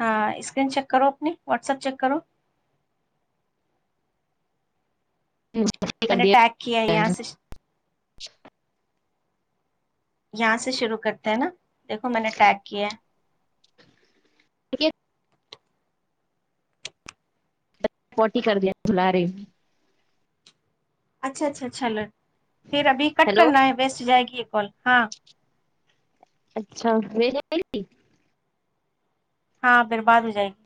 ہاں screen check کرو اپنی واٹسپ چیک کرو م کر نے دیا ٹیک کیا ہے یہاں سے شرع کرتے ہیں نا دیکھو میں نے ٹیک کیا ہے ک [inaudible] [unintelligible] پوٹی کردیا بلارے اچھا اچھاچھا پھر ابھی کٹ ہیلو کرنا ہے ویسٹ جائے گی ک ہاں اچھا میں ت ہاں برباد ہو جائے گی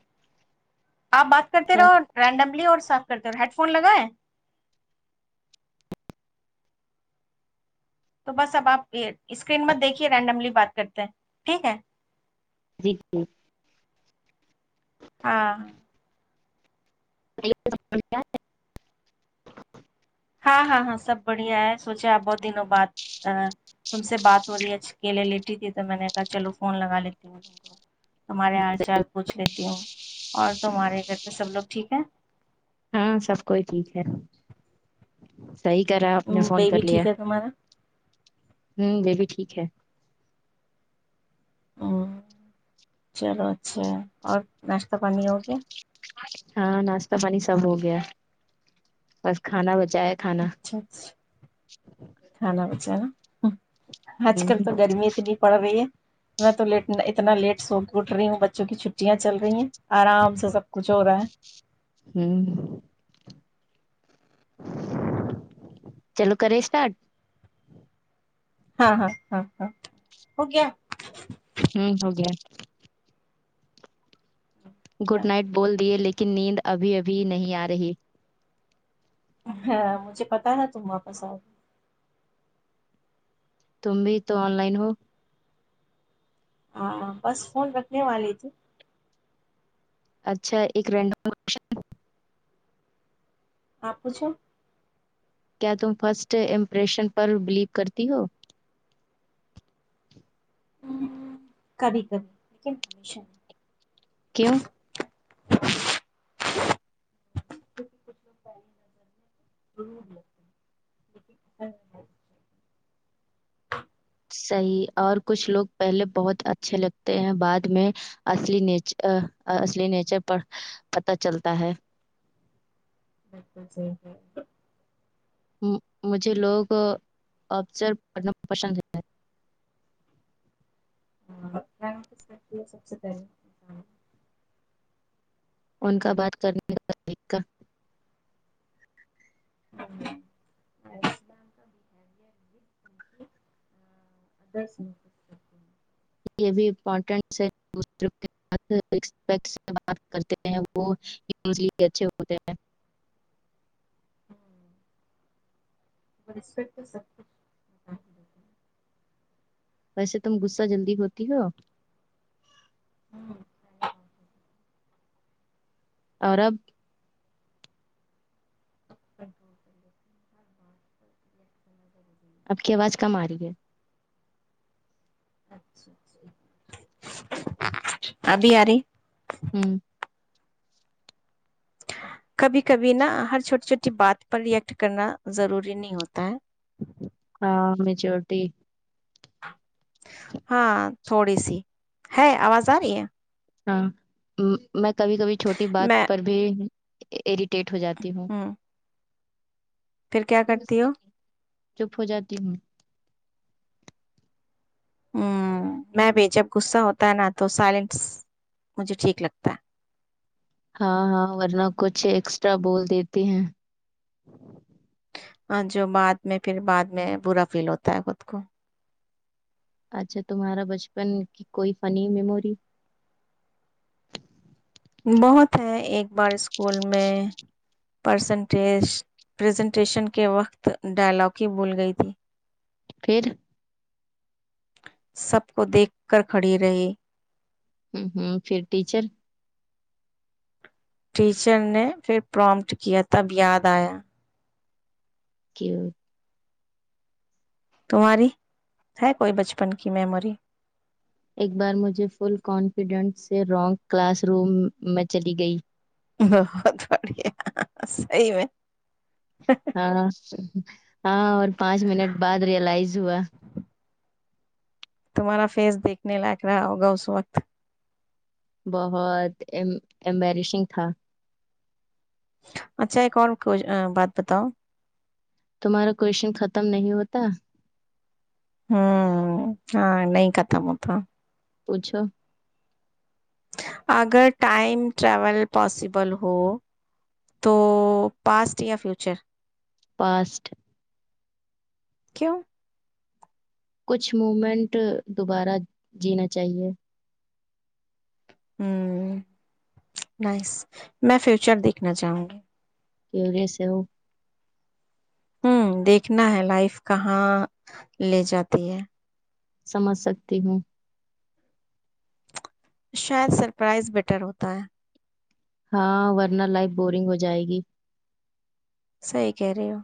آپ بات کرتے رہو رینڈملی اور سات کرتے ہیڈ فون لگائیں تو بس اب آپ اسکرین میں دیکھیے رینڈملی بات کرتے ہیں ٹھیک ہے جی جی ہاں [inaudible] ہاں ہاں ہاں سب بڑھیا ہے سوچے آپ بہت دنوں بد تم سے بات ہو رہی ہے اکیلے لیٹی تھی تو میں نے کہا چلو فون لگا لیتی ہوں تم کو تمہارے ہال چال پوچھ لیتی ہوں اور تمہارے گھر پہ سب لوگ ٹھیک ہیں ہاں سب کوئی ٹھیک ہے صحی کر رہا ہے آپ نے فون بیبی کر لیا ٹھیک ہے تمہارا ہوں یہ بھی ٹھیک ہے ہ چلو اچھا اور پانی ہو گیا ہاں ناشتہ پانی سب ہو گیا بس کھانا بچ اچھا اچھا کھانا بچانا آج ہوں کل تو گرمی اتنی پڑ رہی ہے میں تو لیٹ اتنا لیٹ سو گ گٹ رہی ہوں بچوں کی چھٹیاں چل رہی ہیں آرام سے سب کچھ ہو رہا ہے ہوں چلو کرے اسٹارٹ ہاں ہاں ہاں ہاں ہو کیایا ہوں ہوگے گڈ نائٹ بول دیے لیکن کی نیند ابھی ابھی نہیں آ رہی ہ مجھے پتا نا تم واپس آئے تم بھی تو آن لائن ہو ہاں بس فون رکھنے والی تھی اچھا ایک رینڈم آشن آپو چ کیا تم فرسٹ امپریشن پر بلیو کرتی ہو کبھی کبھی لیکن ہمیشہ کیوں کچھ لوگ پہلی نظر میں تو ور لتے ہیں صحیح اور کچھ لوگ پہلے بہت اچھے لگتے ہیں بعد میں اصلی نیچر پر پتہ چلتا ہے بال جی جی مجھے لوگ ابزر پڑھنا پسند ہے [inaudible] ان کا بات کرنے کا طریقہ [inaudible] یہ بھی امپٹین ہے کرتے ہیں وہ اچھے ہوتے ہیں سب کچھ ویسے تم غصہ جلدی ہوتی ہو ہے۔ اور اب کنٹرول کر ہری آپ کی آواز کم آ رہی ہے ابھی آ رہے ہوں کبھی کبھی نا ہر چھوٹی چھوٹی بات پر ریئیکٹ کرنا ضروری نہیں ہوتا ہے ہاں میچورٹی ہاں تھوڑی سی ہے آواز آ رہی ہے ہاں ہ میں کبھی کبھی چھوٹی بات میں پر بھی [inaudible] ٹ ہو جاتی ہوں پھر کیا کرتی ہو چپ ہو جاتی ہوں ہ میں بھی جب غصہ ہوتا ہے نا تو سائلنس مجھے ٹھیک لگتا ہے ہاں ہاں ورنہ کچھ ایکسٹرا بول دیتی ہیں ہاں جو بعد میں پھر بعد میں برا فیل ہوتا ہے خود کو اچھا تمہارا بچپن کی کوئی فنی میموری بہت ہیں ایک بار اسکول میں پرسنٹیج پزنٹیشن کے وقت ڈائلاگ ہی بھول گئی تھی پھر سب کو دیکھ کر کھڑی رہے ہ ہوں پھر ٹیچر ٹیچر نے پھر پرومٹ کیا تب یاد آیا کی تمہاری ہے کوئی بچپن کی میمی ایک بار مجھے فل کانفیڈنس سے رانگ کلاس روم میں چلی گئی بہت بڑیا صحیح میں ہاں ہاں پانچ منٹ بعد ریئلائز ہوا تمہارا فیس دیکھنے لائق رہا ہوگا اس وقت بہت ایمبیرسنگ تھا اچھا ایک اور کو بات بتاؤ تمہارا کویشچن ختم نہیں ہوتا ہوں ہاں نہیں کتا م تو پوچھو اگر ٹائم ٹریول پاسبل ہو تو پاسٹ یا فیوچر پاسٹ کیوں کچھ مومنٹ دوبارہ جینا چاہیے ہ نس میں فیوچر دیکھنا چاہوں گی کہ کہس وہ ہوں دیکھنا ہے لائف کہاں لے جاتی ہے سمجھ سکتی ہوں شاید سرپرائز بیٹر ہوتا ہے ہاں ورنہ لائف بورنگ ہو جائے گی صحی کہہ رہے ہو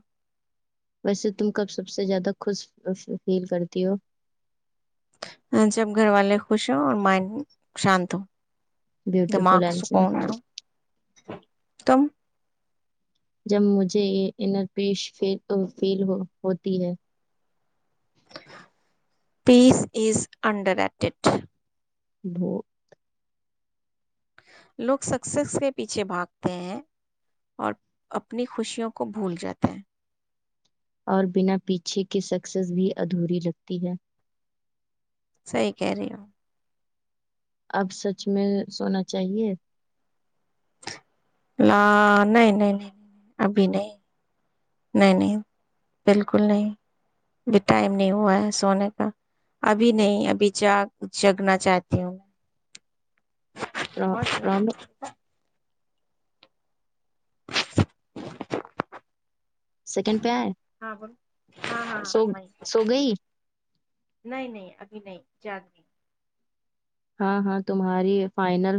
ویسے تم کب سب سے زیادہ خوش فیل کرتی ہو جب گھر والے خوش ہ اور مائنڈ شانت ہو دماغ بیوٹیفل آنسر سکون نہ تم جب مجھے یہ انرپیش فیل ہوتی ہے پیس ایز انڈر ایٹیڈ بہت لوگ سکسیس کے پیچھے بھاگتے ہیں اور اپنی خوشیوں کو بھول جاتے ہیں اور بنا پیچھے کے سکسیز بھی ادھوری لکھتی ہے صحی کہہ رہی ہو اب سچ میں سونا چاہیے ل نہیں نہیں نہیں ابھی نہیں نہیں نہیں بالکل نہیں ابھی ٹائم نہیں ہوا ہے سونے کا ابھی نہیں ابھی جا جگنا چاہتی ہوں میں راب سیکنڈ پہ آئے ہاں ب ہاں ہاں ہاں سو وہ سو گئی نہیں نہیں ابھی نہیں جد گ ہاں ہاں تمہاری فائنل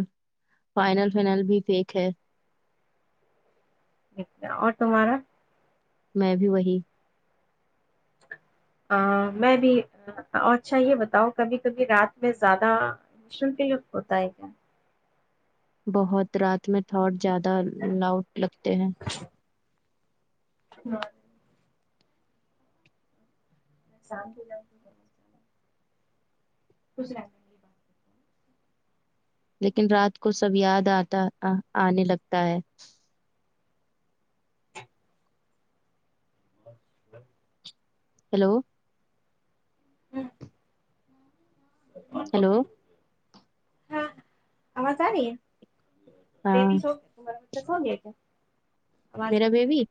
فائنل فنل بھی فیک ہے اور تمہارا میں بھی وہی میں بھی اچھا یہ بتاؤں کبھی کبھی رات میں زیادہ مشکل ہوتا ہے کیا بہت رات میں زیادہ لاؤڈ لگتے ہیں [inaudible] [inaudible] [inaudible] لیکن رات کو سب یاد آتا آنے لگتا ہے [inaudible] ہیلو [inaudible] ہیلو ہاں آواز آرہی ہے ہاں [unintelligible] سو گئے کیا میرا بیبی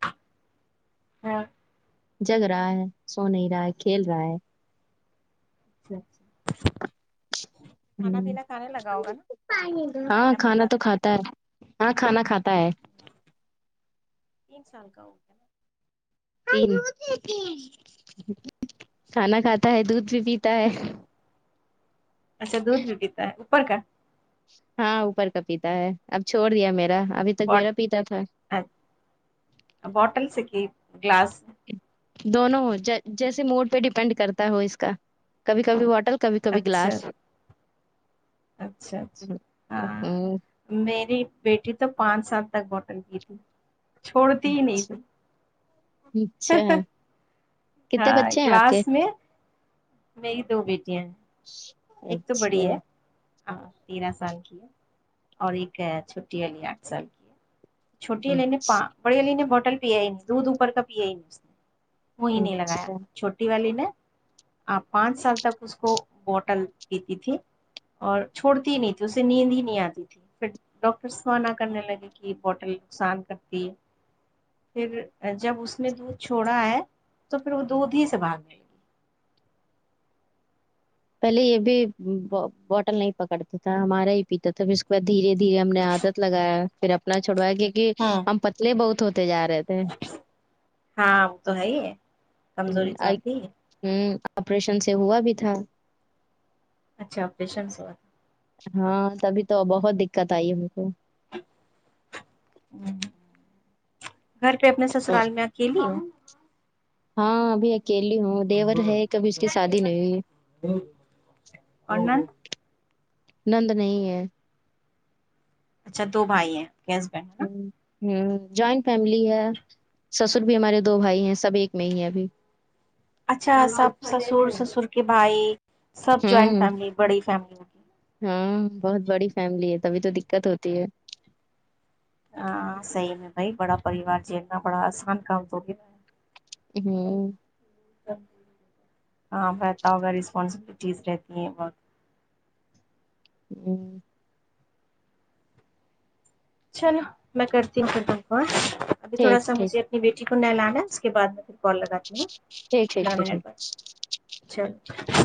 ہاں جگ رہا ہے سو نہیں رہا ہے کھیل رہا ہے [unintelligible] کھانا پینا کھانے لگا ہوگا نا ہاں رینڈملی کھانا تو بات کرتے کھاتا ہیں ہے ہاں کھانا کھاتا ہے تین سال ہو گیا کھانا کھاتا ہے دودھ بی پیتا ہے نا اچھا دودھ بھی پیتا ہے [unintelligible] ہاں اوپر کا پیتا ہے اب چھوڑ دیا میرا ابھی تک میرا پیتا تھا بوٹل سے ہی کلاس دونوں ہو جیسے موڈ پہ ڈیپینڈ کرتا ہے ہو اس کا کبھی کبھی بوتل کبھی کبھی اچھا گلاس اچھا اچھا ہاں ہم، میری بیٹھی تو پانچ سال تک بوٹل پیتی تھی چھوڑتی ہی نہیں تھی اچھا کتنے ہاں بچے ہیں آپ گلاس کے میں میری دو بیٹیاں ہیں اچھا ہاں تیرہ سال کی ہے اور ایک چھٹی والی آٹھ سال کی ہے چھوٹی علی نے بڑی علی نے بہ ٹل پیا ہی نہیں دودھ اوپر کا پیا ہی نہیں اس نے وہی نہیں لگایا اچھا چھوٹی والی نے آپ پانچ سال تک اس کو بوٹل پیتی تھی اور چھوڑتی نہیں تھی اسے نیند ہی نہیں آتی تھی پھر ڈاکٹر سونا کرنے لگے کہ بوٹل نقصان کرتی ہے پھر جب اس نے دودھ چھوڑا ہے تو پھر وہ دودھ ہی سے بھاگنے لگی پہلے یہ بھی بوٹل نہیں پکڑتا تھا ہمارا ہی پیتا تھا پھر اس کے بعد دھیرے دھیرے ہم نے عادت لگایا پھر اپنا چھڑوا کیک ہوں ہم پتلے بہت ہوتے جا رہے تھے ہاں اب تو ہے ہی ہے ہ کمزوری تو آئی آتی ہے ہوں آپریشن سے ہوا بھی تھا اچھاپریشن سے ہو ہاں تبھی تو بہت دقت آئی ہم کو ہوں گھر پہ اپنے سسرال میں اکیلی ہاںب اکیلی ہوں دیور ہے کبھی اس کی شادی نہیں اور نند نند نہیں ہے اچھا دو بھائی ہیں کیس ب ہے نا ہ جوائنٹ فیملی ہے سسر بھی ہمارے دو بھائی ہیں سب ایک میں ہی ہے ابھی اچھا سب سسر سسر کے بھائی سب جوائنٹ ہوں فیملی بڑی فیملی ہوگی ہاں بہت بڑی فیملی ہے ت تبھی تو دقت ہوتی ہے ہاں صحیح میں بھائی بڑا پریوار جیلنا بڑا آسان کام تو گے میں ہوں ہاں بتا ہوگا رسپانسبلیٹیز رہتی ہیں بقت ہوں چلو میں کرتیین کرر ب کو ابھی تھوڑا ٹھیک ٹھیک ساجھے اپنی بیٹی ن لانا اس کے بع میں کال لگاتی ہوں ٹھیک ٹھیک پندرہ ٹھیک ٹھیک منٹ بعد چلو